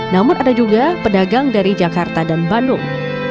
namun ada juga pedagang dari jakarta dan bandung